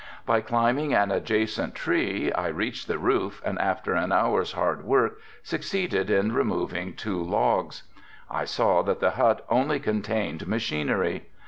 By climbing an adjacent tree I reached the roof and after an hour's hard work succeeded in removing two logs. I saw that the hut only contained machinery.